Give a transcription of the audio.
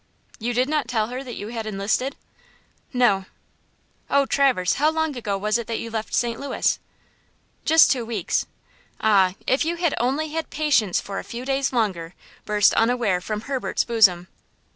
"You did not tell her that you had enlisted?" "No." "Oh, Traverse, how long ago was it that you left St. Louis?" "Just two weeks." "Ah! if you had only had patience for a few days longer!" burst unaware from Herbert's bosom.